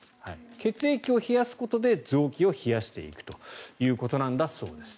血液を冷やすことで臓器を冷やしていくということなんだそうです。